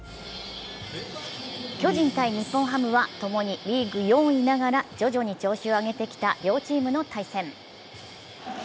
巨人×日本ハムはともにリーグ４位ながら徐々に調子を上げてきた両チームの対戦。